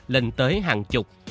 lên tới hàng chục